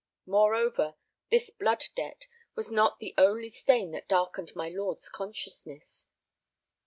Moreover, this blood debt was not the only stain that darkened my lord's consciousness.